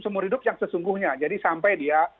seumur hidup yang sesungguhnya jadi sampai dia